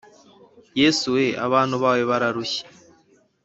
yesu we abantu bawe bararushye